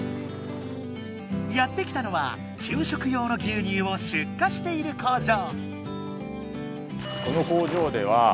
やって来たのは給食用の牛乳を出荷している工場。